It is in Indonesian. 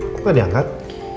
kok gak diangkat